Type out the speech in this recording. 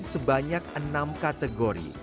sebanyak enam kategori